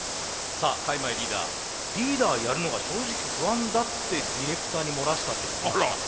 さあ開米リーダーリーダーやるのが正直不安だってディレクターに漏らしたって聞きました。